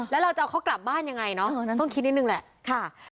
แล้วเราจะเอาเขากลับบ้านยังไงเนาะต้องคิดนิดนึงแหละค่ะ